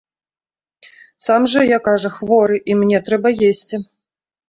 Сам жа я, кажа, хворы, і мне трэба есці.